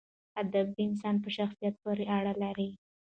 ادب د انسان په شخصیت پورې اړه لري.